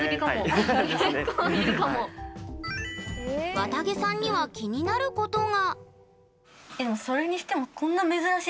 わたげさんには気になることが。